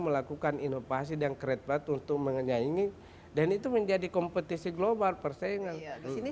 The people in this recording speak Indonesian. melakukan inovasi dan kereta untuk menyaingi dan itu menjadi kompetisi global persaingan dunia